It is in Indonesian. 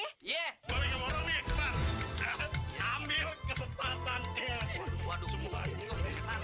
mbak be kamu orangnya ambil kesempatannya